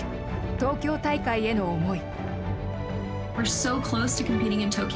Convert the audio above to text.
東京大会への思い。